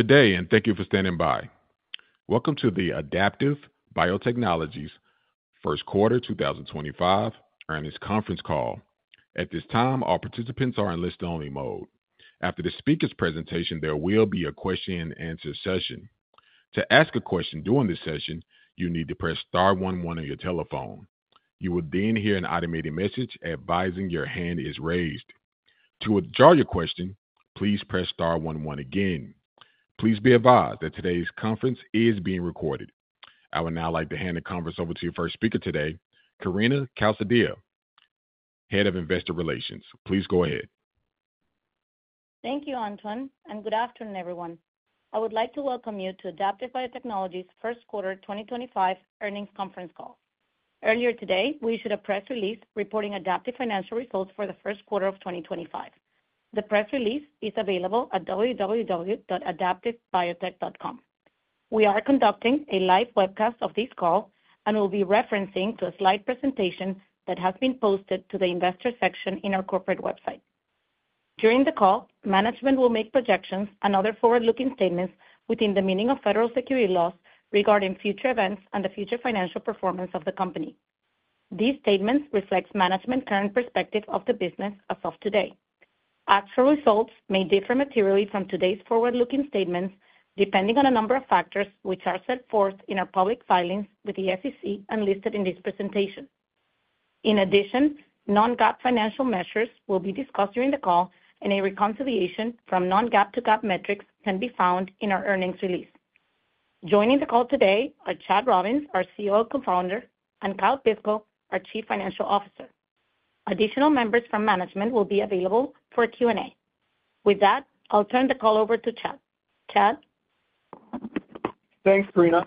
Good day, and thank you for standing by. Welcome to the Adaptive Biotechnologies First Quarter 2025 earnings conference call. At this time, all participants are in listen-only mode. After the speaker's presentation, there will be a question-and-answer session. To ask a question during this session, you need to press star one one on your telephone. You will then hear an automated message advising your hand is raised. To withdraw your question, please press star one one again. Please be advised that today's conference is being recorded. I would now like to hand the conference over to your first speaker today, Karina Calzadilla, Head of Investor Relations. Please go ahead. Thank you, Anton, and good afternoon, everyone. I would like to welcome you to Adaptive Biotechnologies First Quarter 2025 earnings conference call. Earlier today, we issued a press release reporting Adaptive financial results for the first quarter of 2025. The press release is available at www.adaptivebiotech.com. We are conducting a live webcast of this call and will be referencing to a slide presentation that has been posted to the investor section in our corporate website. During the call, management will make projections and other forward-looking statements within the meaning of federal securities laws regarding future events and the future financial performance of the company. These statements reflect management's current perspective of the business as of today. Actual results may differ materially from today's forward-looking statements depending on a number of factors which are set forth in our public filings with the SEC and listed in this presentation. In addition, non-GAAP financial measures will be discussed during the call, and a reconciliation from non-GAAP to GAAP metrics can be found in our earnings release. Joining the call today are Chad Robins, our CEO and co-founder, and Kyle Piskel, our Chief Financial Officer. Additional members from management will be available for a Q&A. With that, I'll turn the call over to Chad. Chad. Thanks, Karina.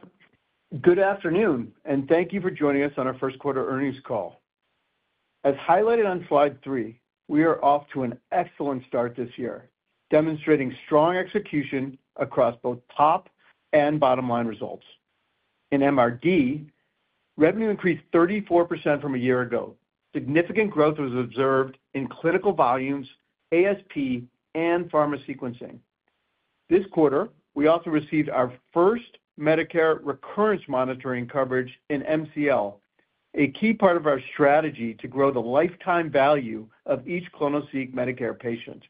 Good afternoon, and thank you for joining us on our first quarter earnings call. As highlighted on slide three, we are off to an excellent start this year, demonstrating strong execution across both top and bottom line results. In MRD, revenue increased 34% from a year ago. Significant growth was observed in clinical volumes, ASP, and pharma sequencing. This quarter, we also received our first Medicare recurrence monitoring coverage in MCL, a key part of our strategy to grow the lifetime value of each clonoSEQ Medicare patient.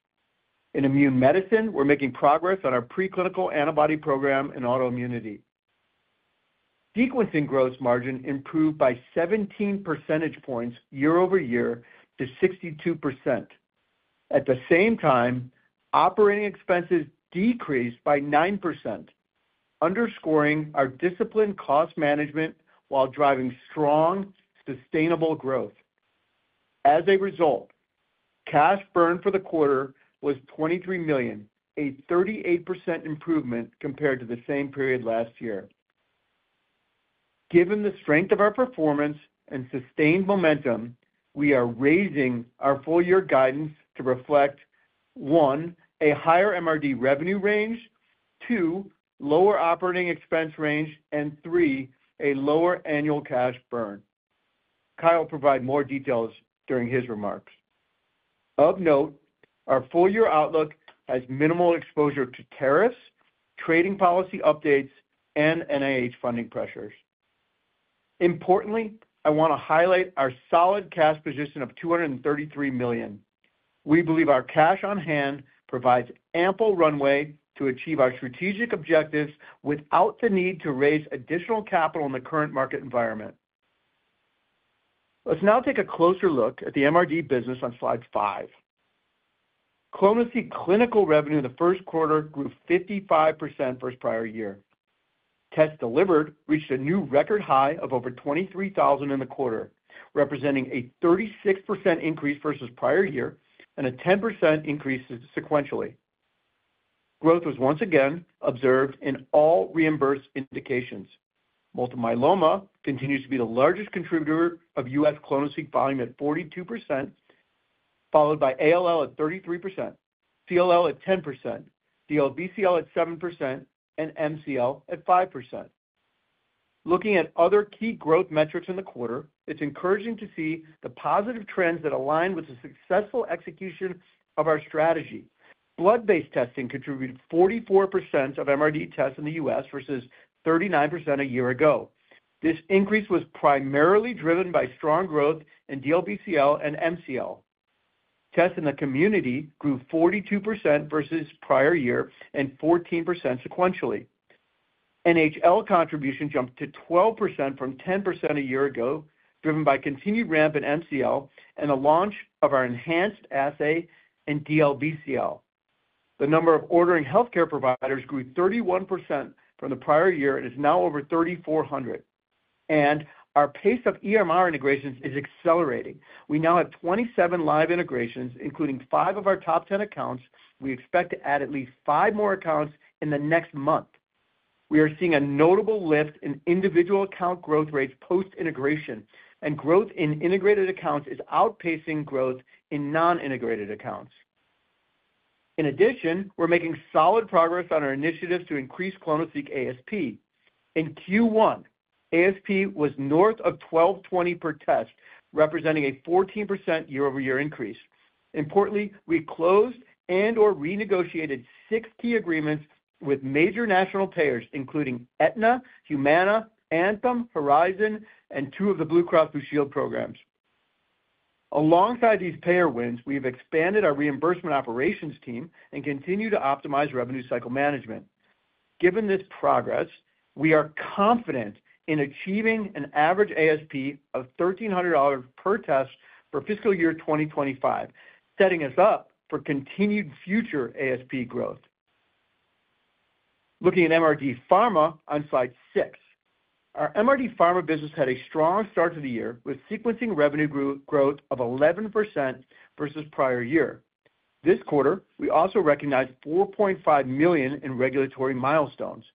In immune medicine, we're making progress on our preclinical antibody program and autoimmunity. Sequencing growth margin improved by 17 percentage points year-over-year to 62%. At the same time, operating expenses decreased by 9%, underscoring our disciplined cost management while driving strong, sustainable growth. As a result, cash burn for the quarter was $23 million, a 38% improvement compared to the same period last year. Given the strength of our performance and sustained momentum, we are raising our full-year guidance to reflect, one, a higher MRD revenue range, two, lower operating expense range, and three, a lower annual cash burn. Kyle will provide more details during his remarks. Of note, our full-year outlook has minimal exposure to tariffs, trading policy updates, and NIH funding pressures. Importantly, I want to highlight our solid cash position of $233 million. We believe our cash on hand provides ample runway to achieve our strategic objectives without the need to raise additional capital in the current market environment. Let's now take a closer look at the MRD business on slide five. clonoSEQ clinical revenue in the first quarter grew 55% versus prior year. Tests delivered reached a new record high of over 23,000 in the quarter, representing a 36% increase versus prior year and a 10% increase sequentially. Growth was once again observed in all reimbursed indications. Multiple myeloma continues to be the largest contributor of U.S. clonoSEQ volume at 42%, followed by ALL at 33%, CLL at 10%, DLBCL at 7%, and MCL at 5%. Looking at other key growth metrics in the quarter, it's encouraging to see the positive trends that align with the successful execution of our strategy. Blood-based testing contributed 44% of MRD tests in the U.S. versus 39% a year ago. This increase was primarily driven by strong growth in DLBCL and MCL. Tests in the community grew 42% versus prior year and 14% sequentially. NHL contribution jumped to 12% from 10% a year ago, driven by continued ramp in MCL and the launch of our enhanced assay in DLBCL. The number of ordering healthcare providers grew 31% from the prior year and is now over 3,400. Our pace of EMR integrations is accelerating. We now have 27 live integrations, including five of our top 10 accounts. We expect to add at least five more accounts in the next month. We are seeing a notable lift in individual account growth rates post-integration, and growth in integrated accounts is outpacing growth in non-integrated accounts. In addition, we're making solid progress on our initiatives to increase clonoSEQ ASP. In Q1, ASP was north of $1,220 per test, representing a 14% year-over-year increase. Importantly, we closed and/or renegotiated six key agreements with major national payers, including Aetna, Humana, Anthem, Horizon, and two of the Blue Cross Blue Shield programs. Alongside these payer wins, we have expanded our reimbursement operations team and continue to optimize revenue cycle management. Given this progress, we are confident in achieving an average ASP of $1,300 per test for fiscal year 2025, setting us up for continued future ASP growth. Looking at MRD Pharma on slide six, our MRD Pharma business had a strong start to the year with sequencing revenue growth of 11% versus prior year. This quarter, we also recognized $4.5 million in regulatory milestones.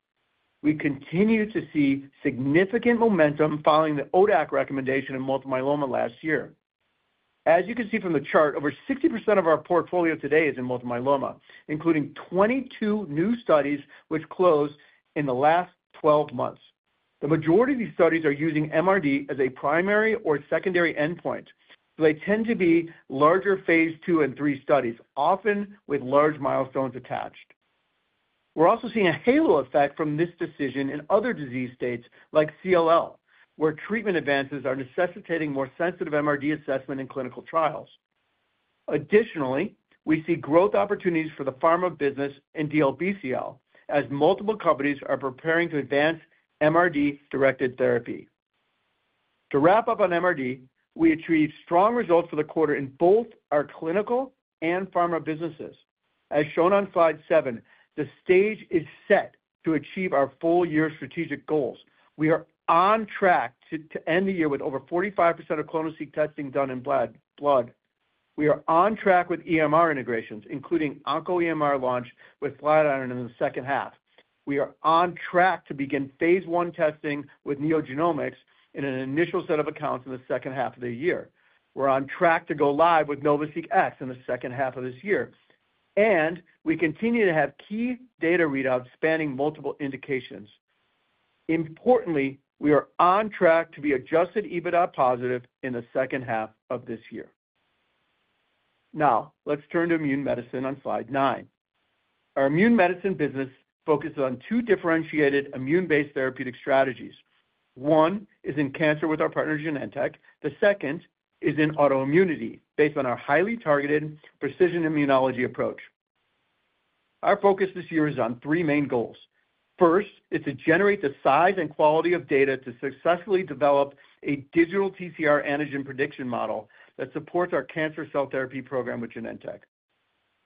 We continue to see significant momentum following the ODAC recommendation in multiple myeloma last year. As you can see from the chart, over 60% of our portfolio today is in multiple myeloma, including 22 new studies which closed in the last 12 months. The majority of these studies are using MRD as a primary or secondary endpoint, but they tend to be larger phase II and III studies, often with large milestones attached. We are also seeing a halo effect from this decision in other disease states like CLL, where treatment advances are necessitating more sensitive MRD assessment in clinical trials. Additionally, we see growth opportunities for the pharma business in DLBCL as multiple companies are preparing to advance MRD-directed therapy. To wrap up on MRD, we achieved strong results for the quarter in both our clinical and pharma businesses. As shown on slide seven, the stage is set to achieve our full-year strategic goals. We are on track to end the year with over 45% of clonoSEQ testing done in blood. We are on track with EMR integrations, including OncoEMR launch with Flatiron in the second half. We are on track to begin phase I testing with NeoGenomics in an initial set of accounts in the second half of the year. We are on track to go live with NovaSeq X in the second half of this year. We continue to have key data readouts spanning multiple indications. Importantly, we are on track to be adjusted EBITDA positive in the second half of this year. Now, let's turn to immune medicine on slide nine. Our immune medicine business focuses on two differentiated immune-based therapeutic strategies. One is in cancer with our partner, Genentech. The second is in autoimmunity based on our highly targeted precision immunology approach. Our focus this year is on three main goals. First, it's to generate the size and quality of data to successfully develop a digital TCR antigen prediction model that supports our cancer cell therapy program with Genentech.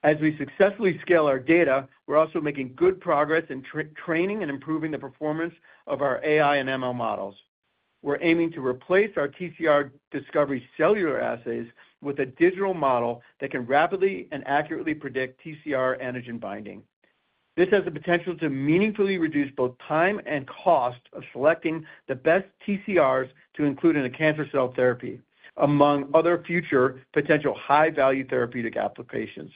As we successfully scale our data, we're also making good progress in training and improving the performance of our AI and ML models. We're aiming to replace our TCR discovery cellular assays with a digital model that can rapidly and accurately predict TCR antigen binding. This has the potential to meaningfully reduce both time and cost of selecting the best TCRs to include in a cancer cell therapy, among other future potential high-value therapeutic applications.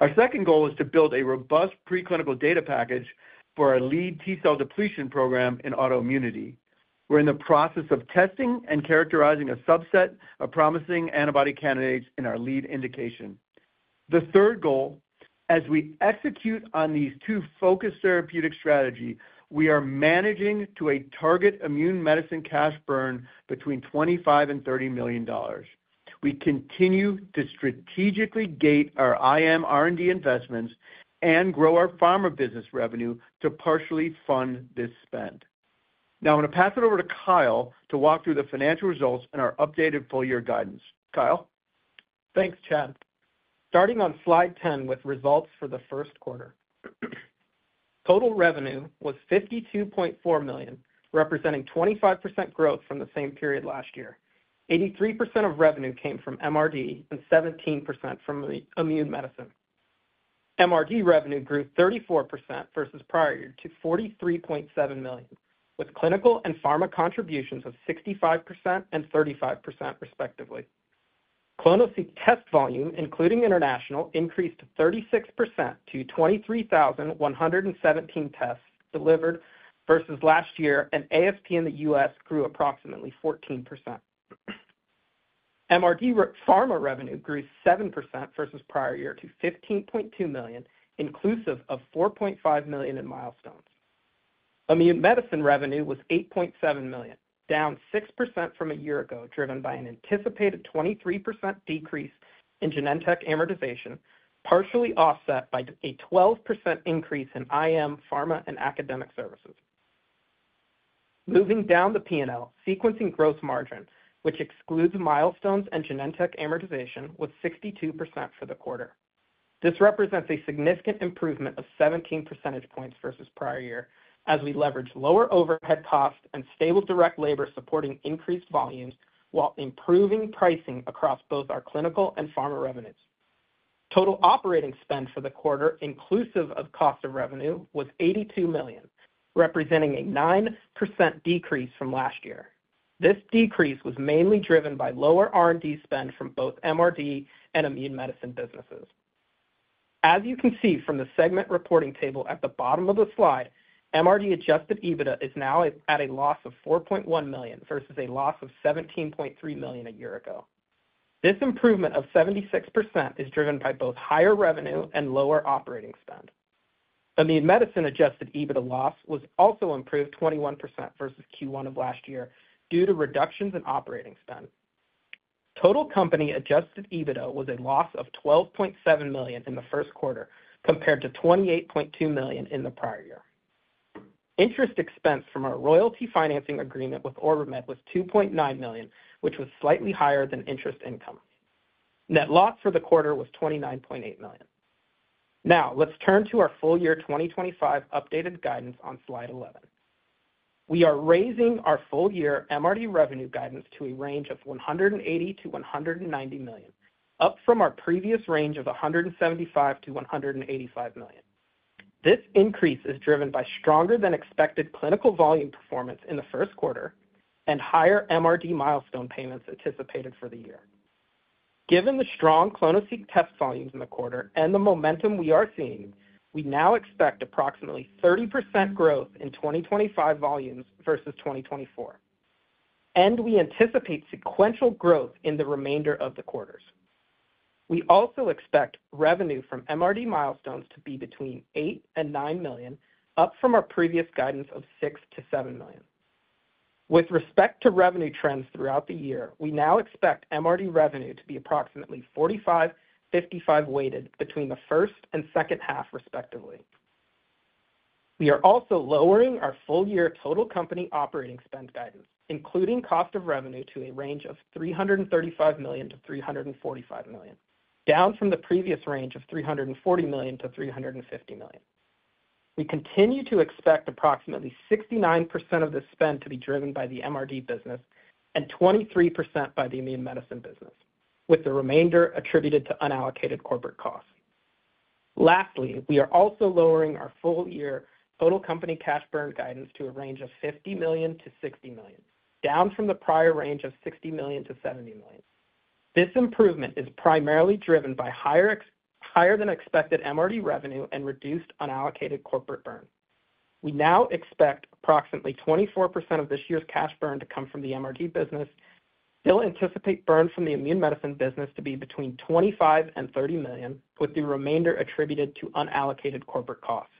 Our second goal is to build a robust preclinical data package for our lead T cell depletion program in autoimmunity. We're in the process of testing and characterizing a subset of promising antibody candidates in our lead indication. The third goal, as we execute on these two focused therapeutic strategies, we are managing to a target immune medicine cash burn between $25 million and $30 million. We continue to strategically gate our IM R&D investments and grow our pharma business revenue to partially fund this spend. Now, I'm going to pass it over to Kyle to walk through the financial results and our updated full-year guidance. Kyle. Thanks, Chad. Starting on slide 10 with results for the first quarter. Total revenue was $52.4 million, representing 25% growth from the same period last year. 83% of revenue came from MRD and 17% from immune medicine. MRD revenue grew 34% versus prior year to $43.7 million, with clinical and pharma contributions of 65% and 35%, respectively. clonoSEQ test volume, including international, increased 36% to 23,117 tests delivered versus last year, and ASP in the U.S. grew approximately 14%. MRD pharma revenue grew 7% versus prior year to $15.2 million, inclusive of $4.5 million in milestones. Immune medicine revenue was $8.7 million, down 6% from a year ago, driven by an anticipated 23% decrease in Genentech amortization, partially offset by a 12% increase in IM, pharma, and academic services. Moving down the P&L, sequencing gross margin, which excludes milestones and Genentech amortization, was 62% for the quarter. This represents a significant improvement of 17 percentage points versus prior year, as we leverage lower overhead costs and stable direct labor supporting increased volumes while improving pricing across both our clinical and pharma revenues. Total operating spend for the quarter, inclusive of cost of revenue, was $82 million, representing a 9% decrease from last year. This decrease was mainly driven by lower R&D spend from both MRD and immune medicine businesses. As you can see from the segment reporting table at the bottom of the slide, MRD adjusted EBITDA is now at a loss of $4.1 million versus a loss of $17.3 million a year ago. This improvement of 76% is driven by both higher revenue and lower operating spend. Immune medicine adjusted EBITDA loss was also improved 21% versus Q1 of last year due to reductions in operating spend. Total company adjusted EBITDA was a loss of $12.7 million in the first quarter compared to $28.2 million in the prior year. Interest expense from our royalty financing agreement with OrbiMed was $2.9 million, which was slightly higher than interest income. Net loss for the quarter was $29.8 million. Now, let's turn to our full-year 2025 updated guidance on slide 11. We are raising our full-year MRD revenue guidance to a range of $180-$190 million, up from our previous range of $175-$185 million. This increase is driven by stronger-than-expected clinical volume performance in the first quarter and higher MRD milestone payments anticipated for the year. Given the strong clonoSEQ test volumes in the quarter and the momentum we are seeing, we now expect approximately 30% growth in 2025 volumes versus 2024. We anticipate sequential growth in the remainder of the quarters. We also expect revenue from MRD milestones to be between $8 million and $9 million, up from our previous guidance of $6 million to $7 million. With respect to revenue trends throughout the year, we now expect MRD revenue to be approximately $45 million, $55 million weighted between the first and second half, respectively. We are also lowering our full-year total company operating spend guidance, including cost of revenue to a range of $335 million-$345 million, down from the previous range of $340 million-$350 million. We continue to expect approximately 69% of this spend to be driven by the MRD business and 23% by the immune medicine business, with the remainder attributed to unallocated corporate costs. Lastly, we are also lowering our full-year total company cash burn guidance to a range of $50 million-$60 million, down from the prior range of $60 million-$70 million. This improvement is primarily driven by higher-than-expected MRD revenue and reduced unallocated corporate burn. We now expect approximately 24% of this year's cash burn to come from the MRD business. We still anticipate burn from the immune medicine business to be between $25 million and $30 million, with the remainder attributed to unallocated corporate costs.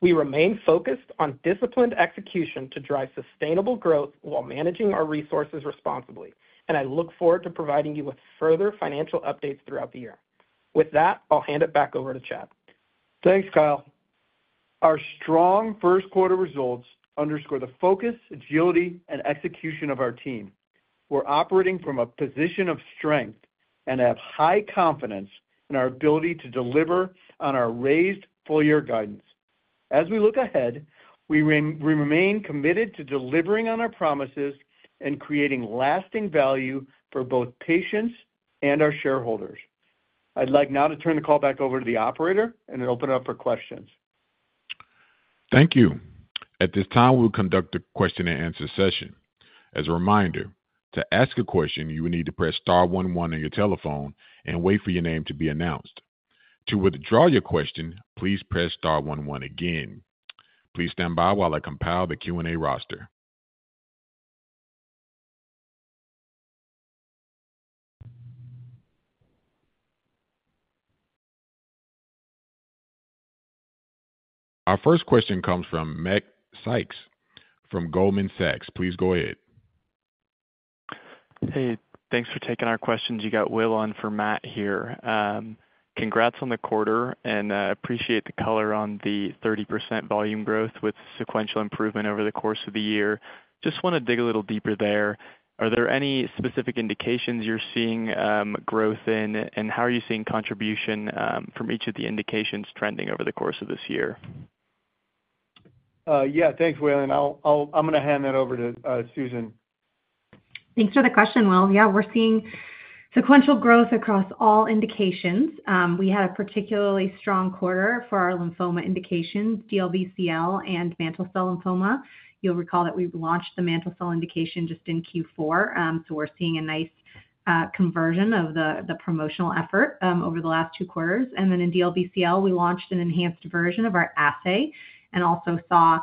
We remain focused on disciplined execution to drive sustainable growth while managing our resources responsibly. I look forward to providing you with further financial updates throughout the year. With that, I'll hand it back over to Chad. Thanks, Kyle. Our strong first-quarter results underscore the focus, agility, and execution of our team. We're operating from a position of strength and have high confidence in our ability to deliver on our raised full-year guidance. As we look ahead, we remain committed to delivering on our promises and creating lasting value for both patients and our shareholders. I'd like now to turn the call back over to the operator and open it up for questions. Thank you. At this time, we'll conduct the question-and-answer session. As a reminder, to ask a question, you will need to press star one one on your telephone and wait for your name to be announced. To withdraw your question, please press star one one again. Please stand by while I compile the Q&A roster. Our first question comes from Matt Sykes from Goldman Sachs. Please go ahead. Hey, thanks for taking our questions. You got Will on for Matt here. Congrats on the quarter, and I appreciate the color on the 30% volume growth with sequential improvement over the course of the year. Just want to dig a little deeper there. Are there any specific indications you're seeing growth in, and how are you seeing contribution from each of the indications trending over the course of this year? Yeah, thanks, Will. I'm going to hand that over to Susan. Thanks for the question, Will. Yeah, we're seeing sequential growth across all indications. We had a particularly strong quarter for our lymphoma indications, DLBCL and mantle cell lymphoma. You'll recall that we launched the mantle cell indication just in Q4. We're seeing a nice conversion of the promotional effort over the last two quarters. In DLBCL, we launched an enhanced version of our assay and also saw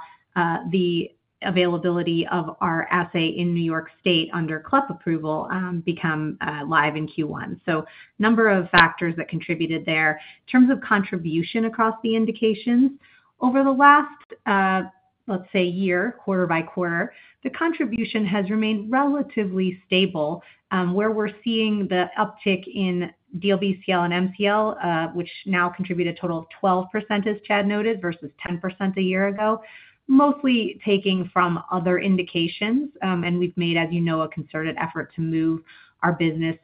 the availability of our assay in New York State under CLEP approval become live in Q1. A number of factors contributed there. In terms of contribution across the indications, over the last, let's say, year, quarter by quarter, the contribution has remained relatively stable, where we're seeing the uptick in DLBCL and MCL, which now contribute a total of 12%, as Chad noted, versus 10% a year ago, mostly taking from other indications. We've made, as you know, a concerted effort to move our business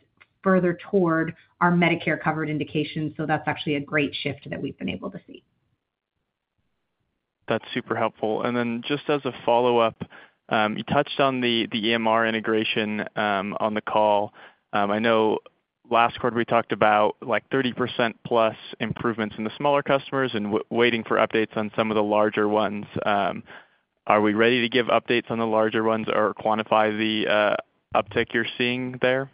further toward our Medicare-covered indications. So that's actually a great shift that we've been able to see. That's super helpful. Just as a follow-up, you touched on the EMR integration on the call. I know last quarter we talked about like 30%+ improvements in the smaller customers and waiting for updates on some of the larger ones. Are we ready to give updates on the larger ones or quantify the uptick you're seeing there?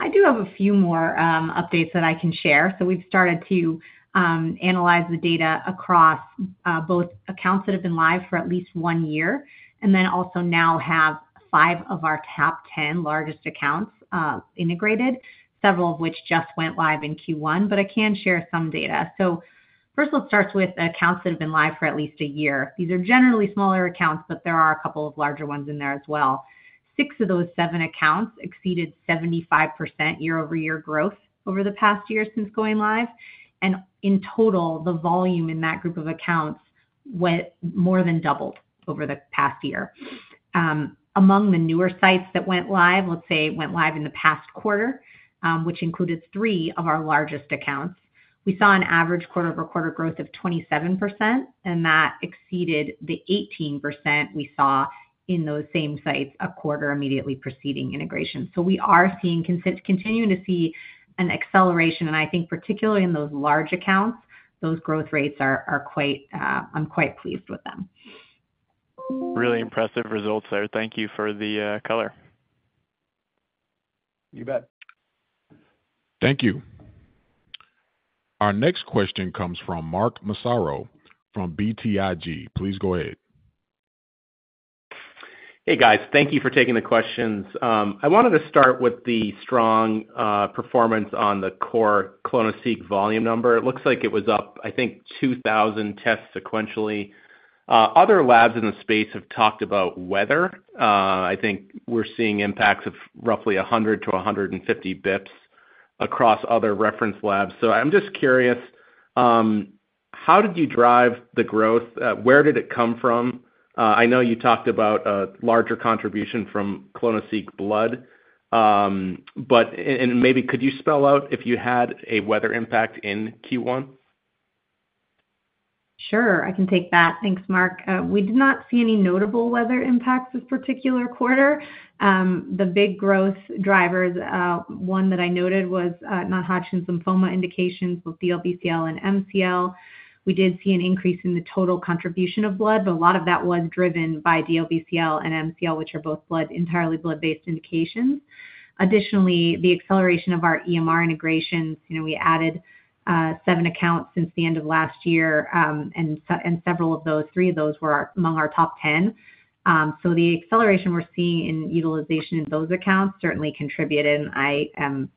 I do have a few more updates that I can share. We have started to analyze the data across both accounts that have been live for at least one year, and then also now have five of our top 10 largest accounts integrated, several of which just went live in Q1, but I can share some data. First, let's start with accounts that have been live for at least a year. These are generally smaller accounts, but there are a couple of larger ones in there as well. Six of those seven accounts exceeded 75% year-over-year growth over the past year since going live. In total, the volume in that group of accounts more than doubled over the past year. Among the newer sites that went live, let's say, went live in the past quarter, which included three of our largest accounts, we saw an average quarter-over-quarter growth of 27%, and that exceeded the 18% we saw in those same sites a quarter immediately preceding integration. We are continuing to see an acceleration. I think, particularly in those large accounts, those growth rates are quite—I am quite pleased with them. Really impressive results there. Thank you for the color. You bet. Thank you. Our next question comes from Mark Massaro from BTIG. Please go ahead. Hey, guys. Thank you for taking the questions. I wanted to start with the strong performance on the core clonoSEQ volume number. It looks like it was up, I think, 2,000 tests sequentially. Other labs in the space have talked about weather. I think we're seeing impacts of roughly 100 to 150 basis points across other reference labs. I'm just curious, how did you drive the growth? Where did it come from? I know you talked about a larger contribution from clonoSEQ blood. Maybe could you spell out if you had a weather impact in Q1? Sure. I can take that. Thanks, Mark. We did not see any notable weather impacts this particular quarter. The big growth drivers, one that I noted was non-Hodgkin's lymphoma indications with DLBCL and MCL. We did see an increase in the total contribution of blood, but a lot of that was driven by DLBCL and MCL, which are both entirely blood-based indications. Additionally, the acceleration of our EMR integrations. We added seven accounts since the end of last year, and several of those, three of those were among our top 10. The acceleration we are seeing in utilization in those accounts certainly contributed. I am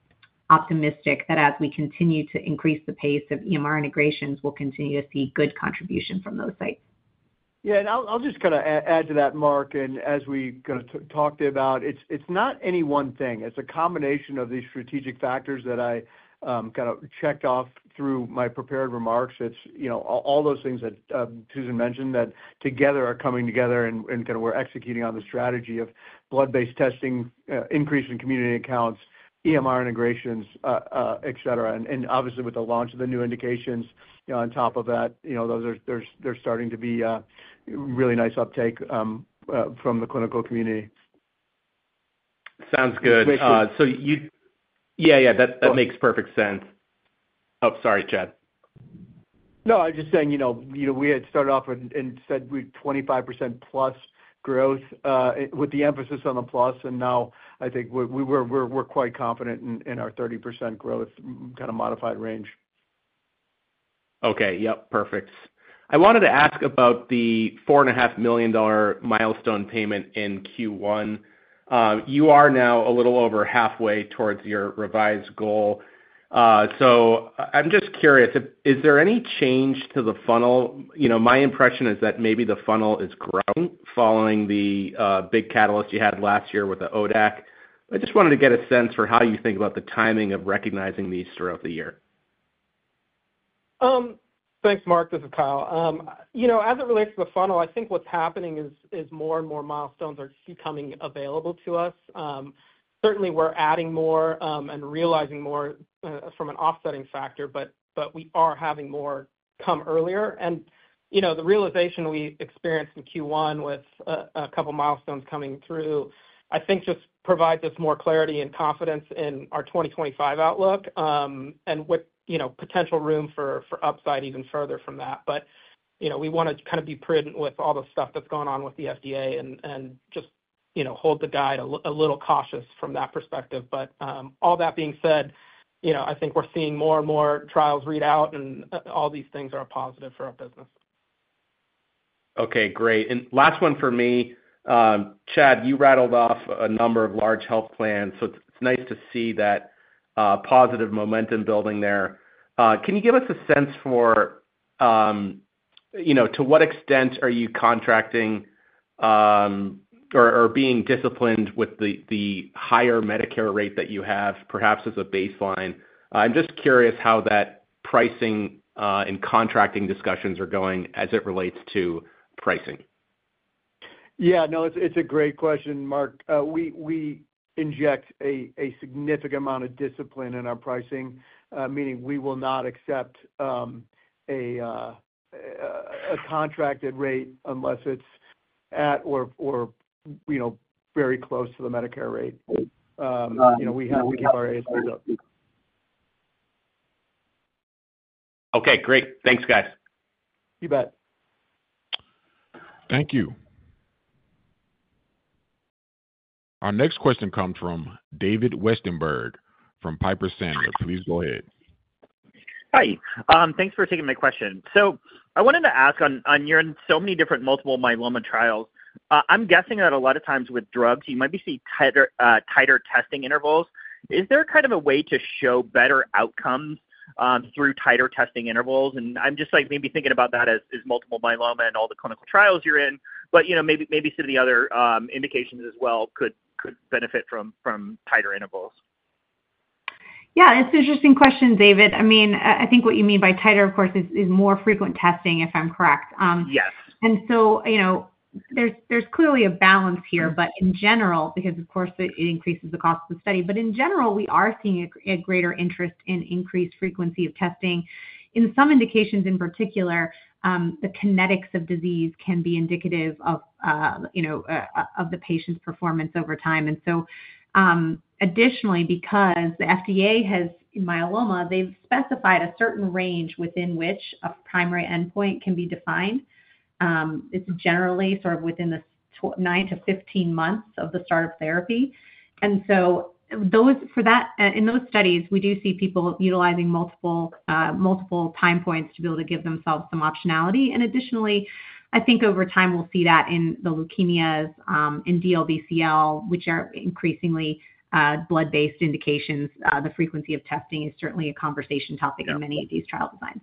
optimistic that as we continue to increase the pace of EMR integrations, we will continue to see good contribution from those sites. Yeah. I'll just kind of add to that, Mark. As we kind of talked about, it's not any one thing. It's a combination of these strategic factors that I kind of checked off through my prepared remarks. It's all those things that Susan mentioned that together are coming together, and we're executing on the strategy of blood-based testing, increase in community accounts, EMR integrations, etc. Obviously, with the launch of the new indications on top of that, there's starting to be a really nice uptake from the clinical community. Sounds good. Thanks. Yeah, yeah. That makes perfect sense. Oh, sorry, Chad. No, I was just saying we had started off and said we'd 25%+ growth with the emphasis on the plus. Now, I think we're quite confident in our 30% growth kind of modified range. Okay. Yep. Perfect. I wanted to ask about the $4.5 million milestone payment in Q1. You are now a little over halfway towards your revised goal. I'm just curious, is there any change to the funnel? My impression is that maybe the funnel is growing following the big catalyst you had last year with the ODAC. I just wanted to get a sense for how you think about the timing of recognizing these throughout the year. Thanks, Mark. This is Kyle. As it relates to the funnel, I think what's happening is more and more milestones are becoming available to us. Certainly, we're adding more and realizing more from an offsetting factor, but we are having more come earlier. The realization we experienced in Q1 with a couple of milestones coming through, I think, just provides us more clarity and confidence in our 2025 outlook and with potential room for upside even further from that. We want to kind of be prudent with all the stuff that's going on with the FDA and just hold the guide a little cautious from that perspective. All that being said, I think we're seeing more and more trials read out, and all these things are a positive for our business. Okay. Great. Last one for me. Chad, you rattled off a number of large health plans. It is nice to see that positive momentum building there. Can you give us a sense for to what extent are you contracting or being disciplined with the higher Medicare rate that you have, perhaps as a baseline? I am just curious how that pricing and contracting discussions are going as it relates to pricing. Yeah. No, it's a great question, Mark. We inject a significant amount of discipline in our pricing, meaning we will not accept a contracted rate unless it's at or very close to the Medicare rate. We keep our ASPs up. Okay. Great. Thanks, guys. You bet. Thank you. Our next question comes from David Westenberg from Piper Sandler. Please go ahead. Hi. Thanks for taking my question. I wanted to ask, on your so many different multiple myeloma trials, I'm guessing that a lot of times with drugs, you might be seeing tighter testing intervals. Is there kind of a way to show better outcomes through tighter testing intervals? I'm just maybe thinking about that as multiple myeloma and all the clinical trials you're in. Maybe some of the other indications as well could benefit from tighter intervals. Yeah. It's an interesting question, David. I mean, I think what you mean by tighter, of course, is more frequent testing, if I'm correct. Yes. There is clearly a balance here. In general, because it increases the cost of the study, we are seeing a greater interest in increased frequency of testing. In some indications in particular, the kinetics of disease can be indicative of the patient's performance over time. Additionally, because the FDA has myeloma, they've specified a certain range within which a primary endpoint can be defined. It's generally within the 9-15 months of the start of therapy. In those studies, we do see people utilizing multiple time points to be able to give themselves some optionality. Additionally, I think over time, we'll see that in the leukemias and DLBCL, which are increasingly blood-based indications. The frequency of testing is certainly a conversation topic in many of these trial designs.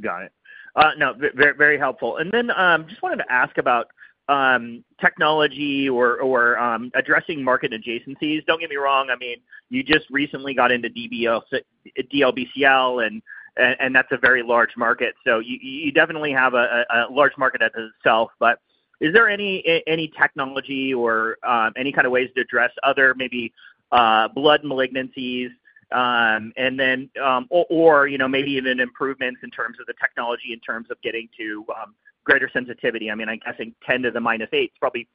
Got it. No, very helpful. I just wanted to ask about technology or addressing market adjacencies. Don't get me wrong. I mean, you just recently got into DLBCL, and that's a very large market. You definitely have a large market as itself. Is there any technology or any kind of ways to address other maybe blood malignancies or maybe even improvements in terms of the technology in terms of getting to greater sensitivity? I mean, I'm guessing 10 to the minus 8 is probably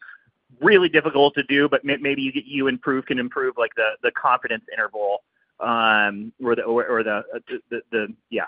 really difficult to do, but maybe you can improve the confidence interval or the—yeah.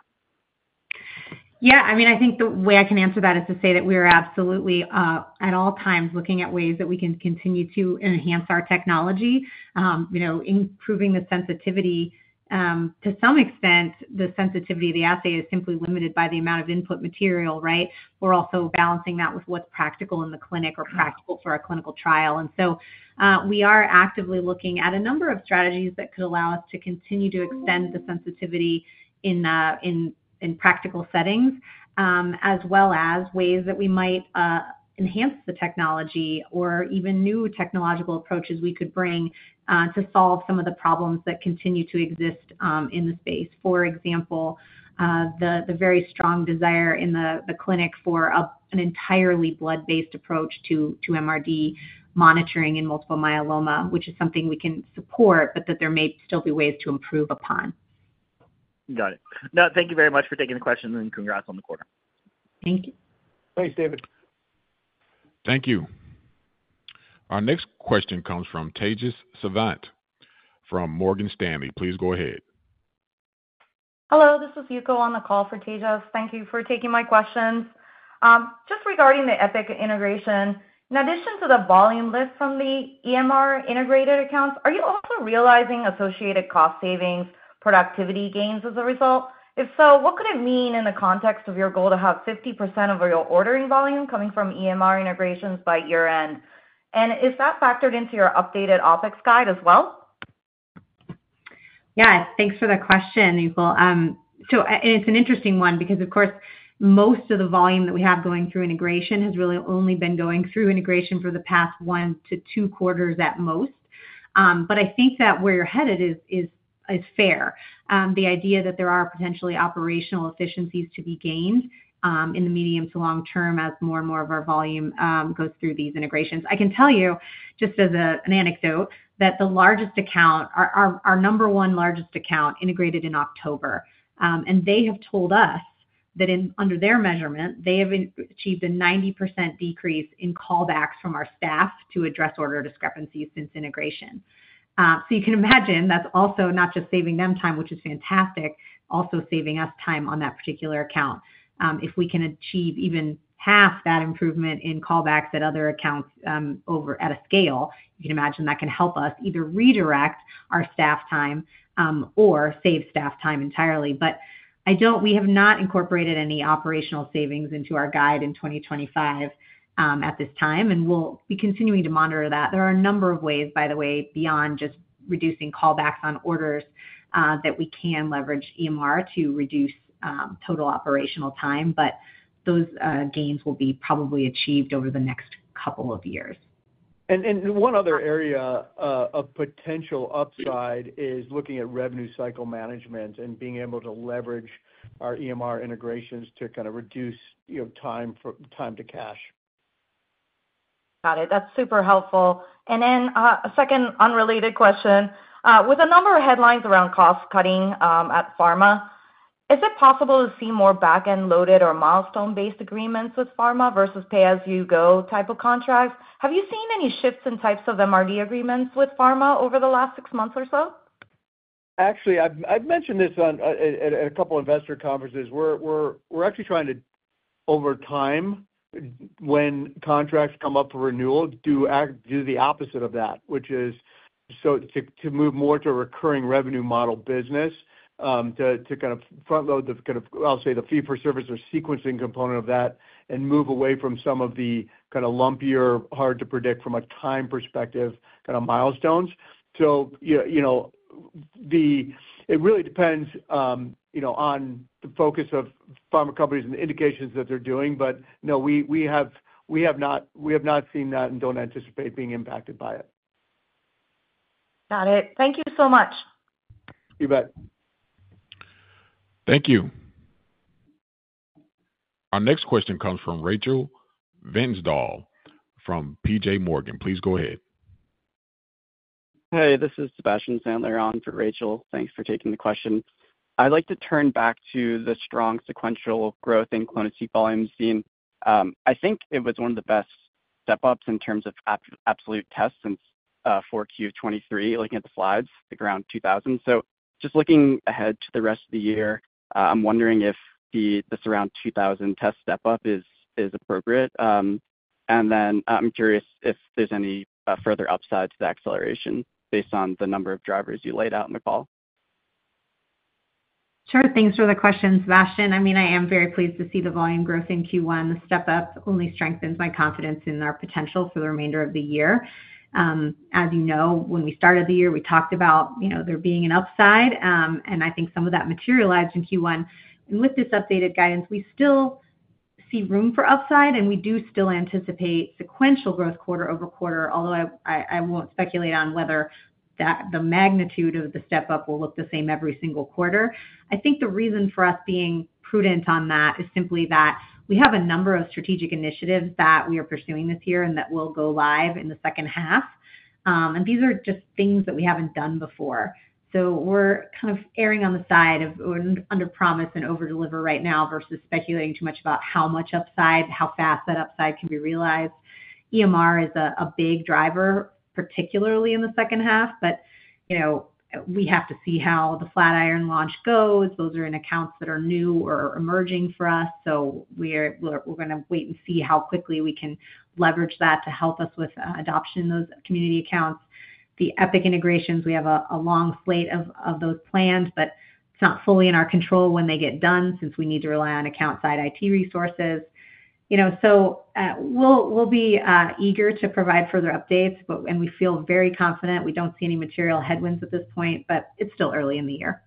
Yeah. I mean, I think the way I can answer that is to say that we are absolutely at all times looking at ways that we can continue to enhance our technology, improving the sensitivity. To some extent, the sensitivity of the assay is simply limited by the amount of input material, right? We're also balancing that with what's practical in the clinic or practical for a clinical trial. We are actively looking at a number of strategies that could allow us to continue to extend the sensitivity in practical settings, as well as ways that we might enhance the technology or even new technological approaches we could bring to solve some of the problems that continue to exist in the space. For example, the very strong desire in the clinic for an entirely blood-based approach to MRD monitoring in multiple myeloma, which is something we can support, but that there may still be ways to improve upon. Got it. No, thank you very much for taking the question and congrats on the quarter. Thank you. Thanks, David. Thank you. Our next question comes from Tejas Savant from Morgan Stanley. Please go ahead. Hello. This is Yuko on the call for Tejas. Thank you for taking my questions. Just regarding the Epic integration, in addition to the volume lift from the EMR integrated accounts, are you also realizing associated cost savings, productivity gains as a result? If so, what could it mean in the context of your goal to have 50% of your ordering volume coming from EMR integrations by year-end? Is that factored into your updated OpEx guide as well? Yes. Thanks for the question, Yuko. It's an interesting one because, of course, most of the volume that we have going through integration has really only been going through integration for the past one to two quarters at most. I think that where you're headed is fair. The idea that there are potentially operational efficiencies to be gained in the medium to long term as more and more of our volume goes through these integrations. I can tell you, just as an anecdote, that the largest account, our number one largest account, integrated in October. They have told us that under their measurement, they have achieved a 90% decrease in callbacks from our staff to address order discrepancies since integration. You can imagine that's also not just saving them time, which is fantastic, also saving us time on that particular account. If we can achieve even half that improvement in callbacks at other accounts at a scale, you can imagine that can help us either redirect our staff time or save staff time entirely. We have not incorporated any operational savings into our guide in 2025 at this time, and we'll be continuing to monitor that. There are a number of ways, by the way, beyond just reducing callbacks on orders that we can leverage EMR to reduce total operational time. Those gains will be probably achieved over the next couple of years. One other area of potential upside is looking at revenue cycle management and being able to leverage our EMR integrations to kind of reduce time to cash. Got it. That's super helpful. A second unrelated question. With a number of headlines around cost cutting at pharma, is it possible to see more back-end loaded or milestone-based agreements with pharma versus pay-as-you-go type of contracts? Have you seen any shifts in types of MRD agreements with pharma over the last six months or so? Actually, I've mentioned this at a couple of investor conferences. We're actually trying to, over time, when contracts come up for renewal, do the opposite of that, which is to move more to a recurring revenue model business, to kind of front-load the, I'll say, the fee-for-service or sequencing component of that and move away from some of the kind of lumpier, hard-to-predict-from-a-time-perspective kind of milestones. It really depends on the focus of pharma companies and the indications that they're doing. No, we have not seen that and don't anticipate being impacted by it. Got it. Thank you so much. You bet. Thank you. Our next question comes from Rachel Vatnsdal from J.P. Morgan. Please go ahead. Hey, this is Sebastian Sandler on for Rachel. Thanks for taking the question. I'd like to turn back to the strong sequential growth in clonoSEQ volumes. I think it was one of the best step-ups in terms of absolute tests since 4Q 2023, looking at the slides, around 2,000. Just looking ahead to the rest of the year, I'm wondering if this around 2,000 test step-up is appropriate. I'm curious if there's any further upside to the acceleration based on the number of drivers you laid out in the call. Sure. Thanks for the question, Sebastian. I mean, I am very pleased to see the volume growth in Q1. The step-up only strengthens my confidence in our potential for the remainder of the year. As you know, when we started the year, we talked about there being an upside. I think some of that materialized in Q1. With this updated guidance, we still see room for upside, and we do still anticipate sequential growth quarter-over-quarter, although I won't speculate on whether the magnitude of the step-up will look the same every single quarter. I think the reason for us being prudent on that is simply that we have a number of strategic initiatives that we are pursuing this year and that will go live in the second half. These are just things that we haven't done before. We are kind of erring on the side of underpromise and overdeliver right now versus speculating too much about how much upside, how fast that upside can be realized. EMR is a big driver, particularly in the second half. We have to see how the Flatiron launch goes. Those are in accounts that are new or emerging for us. We are going to wait and see how quickly we can leverage that to help us with adoption in those community accounts. The Epic integrations, we have a long slate of those planned, but it is not fully in our control when they get done since we need to rely on account-side IT resources. We will be eager to provide further updates, and we feel very confident. We do not see any material headwinds at this point, but it is still early in the year.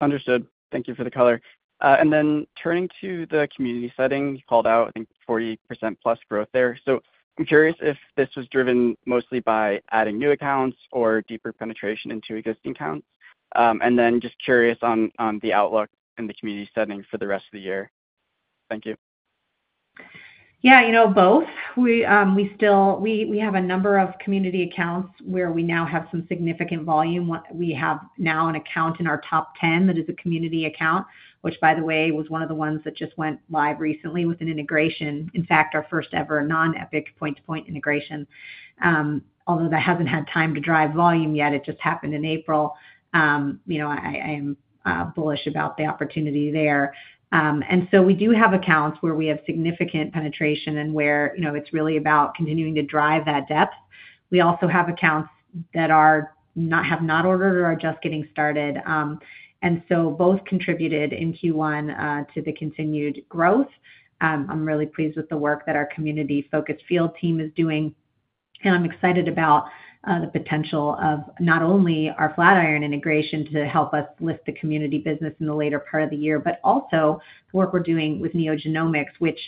Understood. Thank you for the color. Turning to the community setting, you called out, I think, 40%+ growth there. I'm curious if this was driven mostly by adding new accounts or deeper penetration into existing accounts. I'm also curious on the outlook in the community setting for the rest of the year. Thank you. Yeah. Both. We have a number of community accounts where we now have some significant volume. We have now an account in our top 10 that is a community account, which, by the way, was one of the ones that just went live recently with an integration, in fact, our first-ever non-Epic point-to-point integration. Although that has not had time to drive volume yet, it just happened in April. I am bullish about the opportunity there. We do have accounts where we have significant penetration and where it is really about continuing to drive that depth. We also have accounts that have not ordered or are just getting started. Both contributed in Q1 to the continued growth. I am really pleased with the work that our community-focused field team is doing. I'm excited about the potential of not only our Flatiron integration to help us lift the community business in the later part of the year, but also the work we're doing with NeoGenomics, which,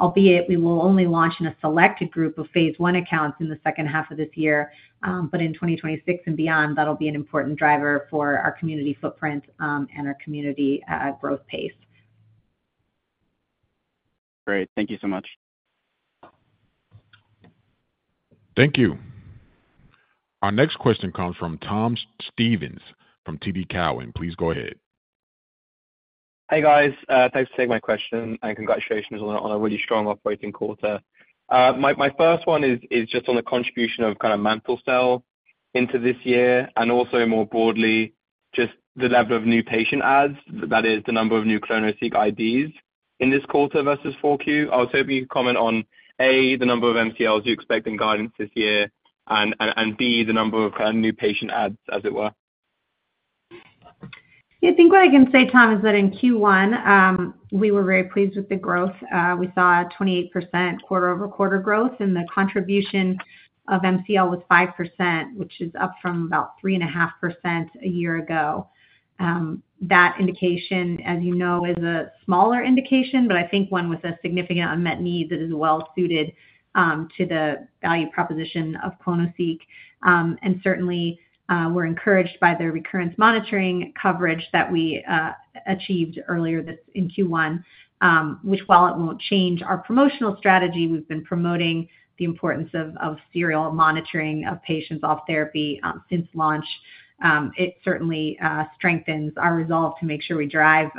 albeit, we will only launch in a selected group of phase one accounts in the second half of this year. In 2026 and beyond, that'll be an important driver for our community footprint and our community growth pace. Great. Thank you so much. Thank you. Our next question comes from Tom Stevens from TD Cowen. Please go ahead. Hey, guys. Thanks for taking my question. Congratulations on a really strong operating quarter. My first one is just on the contribution of kind of mantle cell into this year and also more broadly, just the level of new patient ads, that is, the number of new clinical seat IDs in this quarter versus 4Q. I was hoping you could comment on, A, the number of MCLs you expect in guidance this year, and B, the number of kind of new patient ads, as it were. Yeah. I think what I can say, Tom, is that in Q1, we were very pleased with the growth. We saw a 28% quarter-over-quarter growth, and the contribution of MCL was 5%, which is up from about 3.5% a year ago. That indication, as you know, is a smaller indication, but I think one with a significant unmet need that is well-suited to the value proposition of clonoSEQ. Certainly, we're encouraged by the recurrence monitoring coverage that we achieved earlier in Q1, which, while it won't change our promotional strategy, we've been promoting the importance of serial monitoring of patients off therapy since launch. It certainly strengthens our resolve to make sure we drive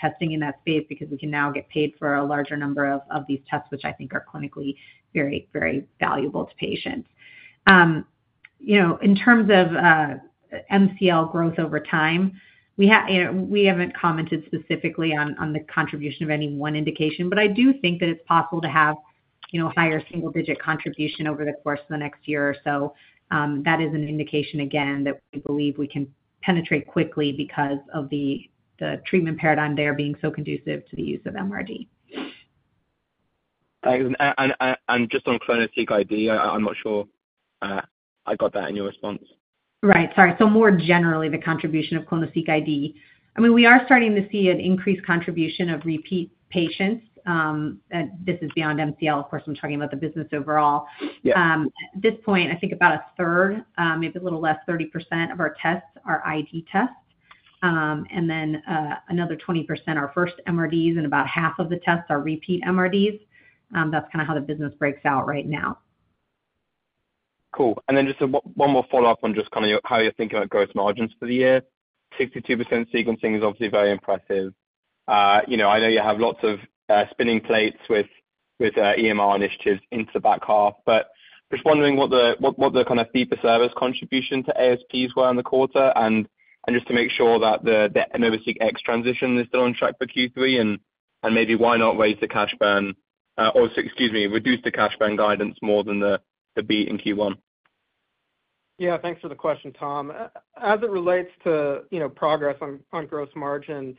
testing in that space because we can now get paid for a larger number of these tests, which I think are clinically very, very valuable to patients. In terms of MCL growth over time, we haven't commented specifically on the contribution of any one indication, but I do think that it's possible to have higher single-digit contribution over the course of the next year or so. That is an indication, again, that we believe we can penetrate quickly because of the treatment paradigm there being so conducive to the use of MRD. Just on clinical seat ID, I'm not sure I got that in your response. Right. Sorry. More generally, the contribution of clinical seat ID. I mean, we are starting to see an increased contribution of repeat patients. This is beyond MCL. Of course, I'm talking about the business overall. At this point, I think about a third, maybe a little less, 30% of our tests are ID tests. And then another 20% are first MRDs, and about half of the tests are repeat MRDs. That's kind of how the business breaks out right now. Cool. Just one more follow-up on just kind of how you're thinking about growth margins for the year. 62% sequencing is obviously very impressive. I know you have lots of spinning plates with EMR initiatives into the back half, but just wondering what the kind of fee-for-service contribution to ASPs were in the quarter and just to make sure that the NovaSeq X transition is still on track for Q3 and maybe why not raise the cash burn or, excuse me, reduce the cash burn guidance more than the beat in Q1. Yeah. Thanks for the question, Tom. As it relates to progress on gross margin,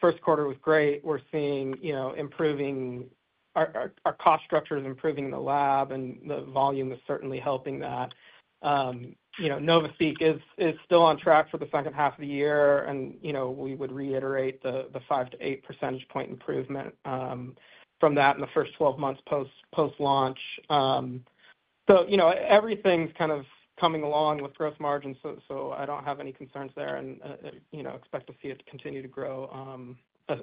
first quarter was great. We're seeing our cost structure is improving in the lab, and the volume is certainly helping that. NovaSeq X is still on track for the second half of the year, and we would reiterate the 5-8 percentage point improvement from that in the first 12 months post-launch. Everything's kind of coming along with gross margins, so I don't have any concerns there and expect to see it continue to grow,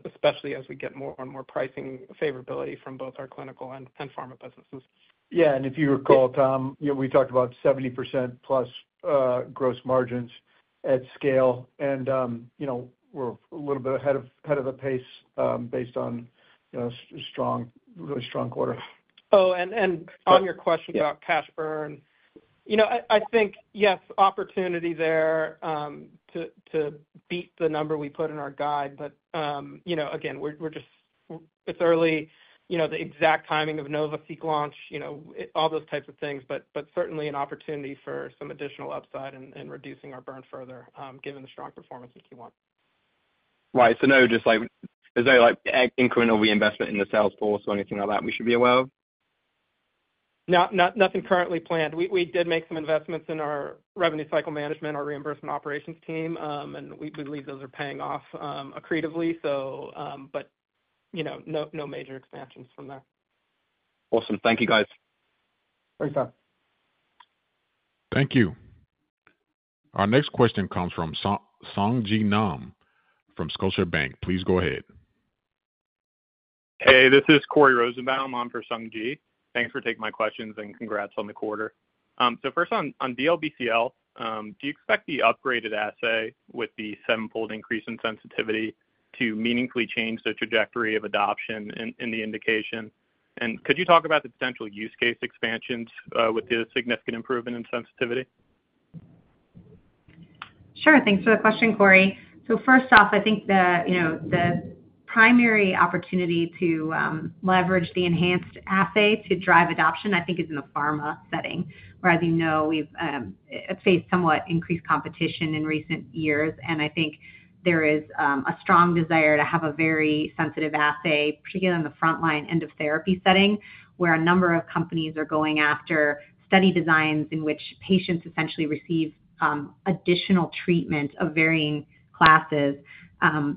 especially as we get more and more pricing favorability from both our clinical and pharma businesses. Yeah. If you recall, Tom, we talked about 70%+ gross margins at scale, and we're a little bit ahead of the pace based on really strong quarter. Oh, and on your question about cash burn, I think, yes, opportunity there to beat the number we put in our guide. Again, it's early, the exact timing of NovaSeq X launch, all those types of things, but certainly an opportunity for some additional upside and reducing our burn further given the strong performance in Q1. Right. So no incremental reinvestment in the sales force or anything like that we should be aware of? Nothing currently planned. We did make some investments in our revenue cycle management, our reimbursement operations team, and we believe those are paying off accretively. No major expansions from there. Awesome. Thank you, guys. Thanks, Tom. Thank you. Our next question comes from Sung Ji Nam from Scotiabank. Please go ahead. Hey, this is Corey Rosenbaum. I'm for Sung Ji. Thanks for taking my questions and congrats on the quarter. First, on DLBCL, do you expect the upgraded assay with the seven-fold increase in sensitivity to meaningfully change the trajectory of adoption in the indication? Could you talk about the potential use case expansions with the significant improvement in sensitivity? Sure. Thanks for the question, Corey. First off, I think the primary opportunity to leverage the enhanced assay to drive adoption, I think, is in the pharma setting. Whereas we've faced somewhat increased competition in recent years, I think there is a strong desire to have a very sensitive assay, particularly in the front-line end-of-therapy setting, where a number of companies are going after study designs in which patients essentially receive additional treatment of varying classes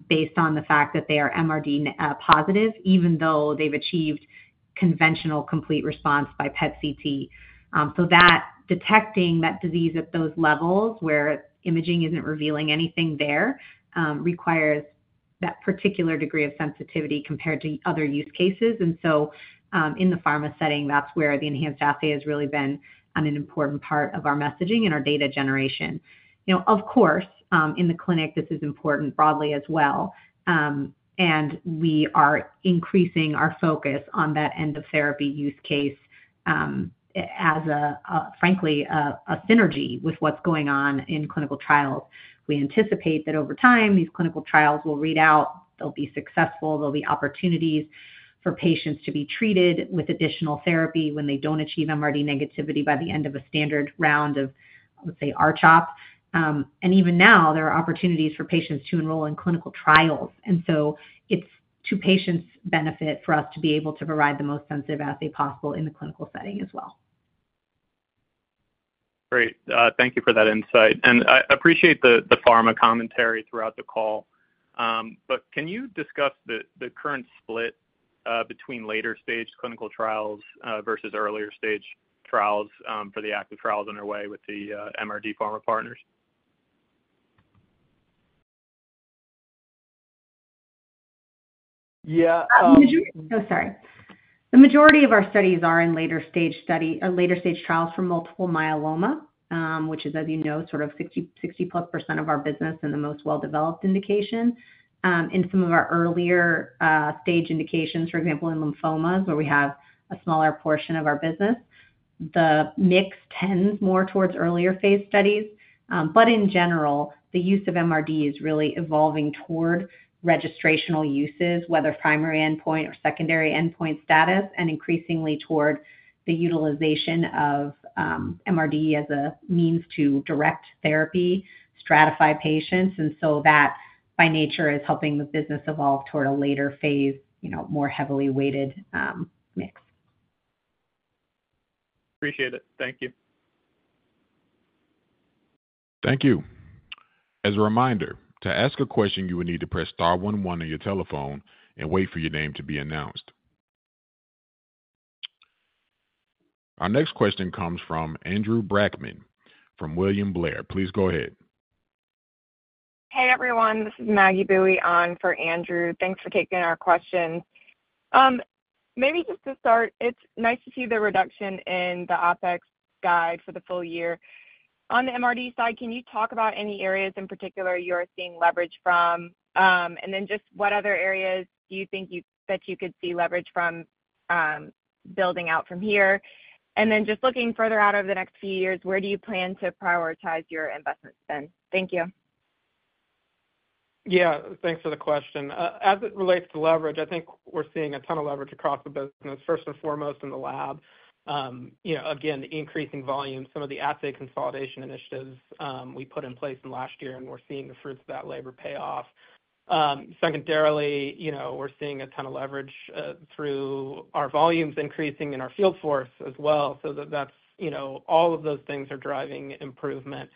based on the fact that they are MRD positive, even though they've achieved conventional complete response by PET-CT. Detecting that disease at those levels where imaging isn't revealing anything there requires that particular degree of sensitivity compared to other use cases. In the pharma setting, that's where the enhanced assay has really been an important part of our messaging and our data generation. Of course, in the clinic, this is important broadly as well. We are increasing our focus on that end-of-therapy use case as, frankly, a synergy with what's going on in clinical trials. We anticipate that over time, these clinical trials will read out. They'll be successful. There'll be opportunities for patients to be treated with additional therapy when they don't achieve MRD negativity by the end of a standard round of, let's say, R-CHOP. Even now, there are opportunities for patients to enroll in clinical trials. It's to patients' benefit for us to be able to provide the most sensitive assay possible in the clinical setting as well. Great. Thank you for that insight. I appreciate the pharma commentary throughout the call. Can you discuss the current split between later-stage clinical trials versus earlier-stage trials for the active trials underway with the MRD pharma partners? Yeah. Oh, sorry. The majority of our studies are in later-stage trials for multiple myeloma, which is, as you know, sort of 60+% of our business in the most well-developed indication. In some of our earlier-stage indications, for example, in lymphomas, where we have a smaller portion of our business, the mix tends more towards earlier-phase studies. In general, the use of MRD is really evolving toward registrational uses, whether primary endpoint or secondary endpoint status, and increasingly toward the utilization of MRD as a means to direct therapy, stratify patients. That, by nature, is helping the business evolve toward a later-phase, more heavily weighted mix. Appreciate it. Thank you. Thank you. As a reminder, to ask a question, you will need to press star one one on your telephone and wait for your name to be announced. Our next question comes from Andrew Brackman from William Blair. Please go ahead. Hey, everyone. This is Maggie Boeye on for Andrew. Thanks for taking our questions. Maybe just to start, it's nice to see the reduction in the OpEx guide for the full year. On the MRD side, can you talk about any areas in particular you are seeing leverage from? Just what other areas do you think that you could see leverage from building out from here? Looking further out over the next few years, where do you plan to prioritize your investments then? Thank you. Yeah. Thanks for the question. As it relates to leverage, I think we're seeing a ton of leverage across the business, first and foremost in the lab. Again, increasing volume, some of the assay consolidation initiatives we put in place in last year, and we're seeing the fruits of that labor pay off. Secondarily, we're seeing a ton of leverage through our volumes increasing in our field force as well. All of those things are driving improvement.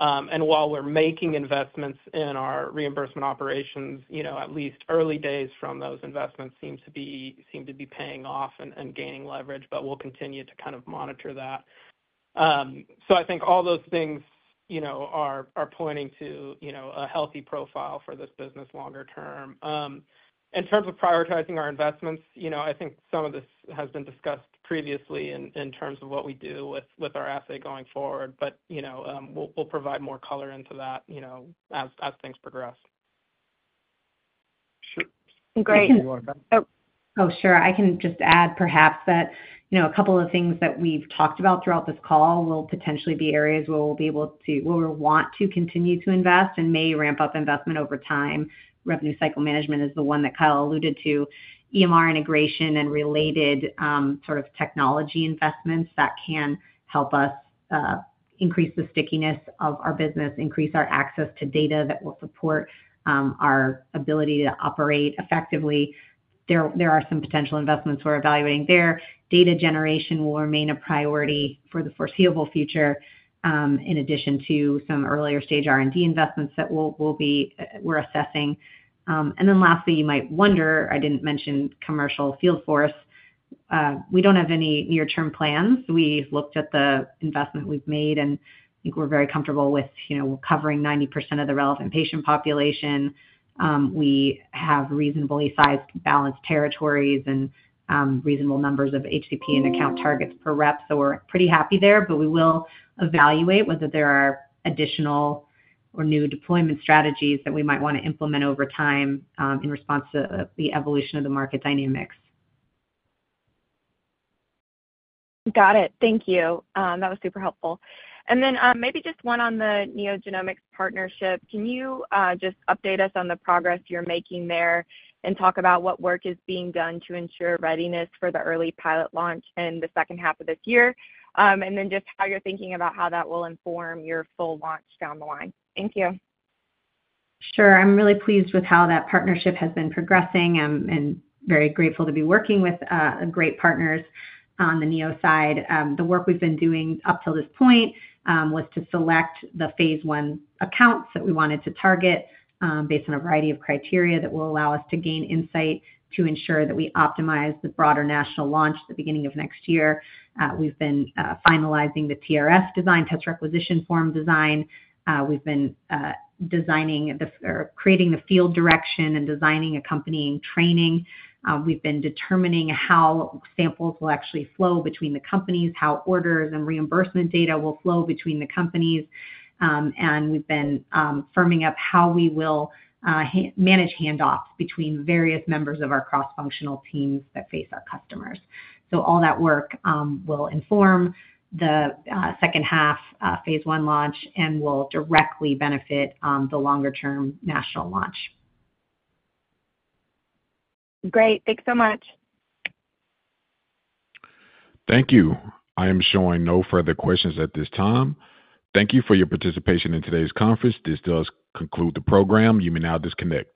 While we're making investments in our reimbursement operations, at least early days from those investments seem to be paying off and gaining leverage, but we'll continue to kind of monitor that. I think all those things are pointing to a healthy profile for this business longer term. In terms of prioritizing our investments, I think some of this has been discussed previously in terms of what we do with our assay going forward, but we'll provide more color into that as things progress. Sure. Great. Oh, sure. I can just add perhaps that a couple of things that we've talked about throughout this call will potentially be areas where we'll be able to, where we want to continue to invest and may ramp up investment over time. Revenue cycle management is the one that Kyle alluded to. EMR integration and related sort of technology investments that can help us increase the stickiness of our business, increase our access to data that will support our ability to operate effectively. There are some potential investments we're evaluating there. Data generation will remain a priority for the foreseeable future in addition to some earlier-stage R&D investments that we're assessing. Lastly, you might wonder, I didn't mention commercial field force. We don't have any near-term plans. We've looked at the investment we've made, and I think we're very comfortable with covering 90% of the relevant patient population. We have reasonably sized balanced territories and reasonable numbers of HCP and account targets per rep. We are pretty happy there, but we will evaluate whether there are additional or new deployment strategies that we might want to implement over time in response to the evolution of the market dynamics. Got it. Thank you. That was super helpful. Maybe just one on the NeoGenomics partnership. Can you just update us on the progress you're making there and talk about what work is being done to ensure readiness for the early pilot launch in the second half of this year? Just how you're thinking about how that will inform your full launch down the line? Thank you. Sure. I'm really pleased with how that partnership has been progressing and very grateful to be working with great partners on the NeoGenomics side. The work we've been doing up till this point was to select the phase one accounts that we wanted to target based on a variety of criteria that will allow us to gain insight to ensure that we optimize the broader national launch at the beginning of next year. We've been finalizing the TRF design, test requisition form design. We've been designing or creating the field direction and designing accompanying training. We've been determining how samples will actually flow between the companies, how orders and reimbursement data will flow between the companies. We've been firming up how we will manage handoffs between various members of our cross-functional teams that face our customers. All that work will inform the second half phase one launch and will directly benefit the longer-term national launch. Great. Thanks so much. Thank you. I am showing no further questions at this time. Thank you for your participation in today's conference. This does conclude the program. You may now disconnect.